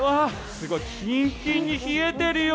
すごいキンキンに冷えてるよ！